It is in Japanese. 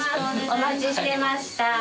お待ちしてました。